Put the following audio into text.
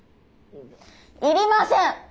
いりません！